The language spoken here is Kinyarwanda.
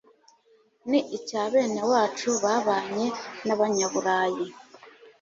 niicya benewacu babanye n'Abanya-Burayi,